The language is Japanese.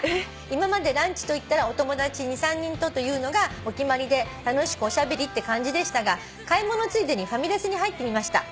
「今までランチといったらお友達２３人とというのがお決まりで楽しくおしゃべりって感じでしたが買い物ついでにファミレスに入ってみました」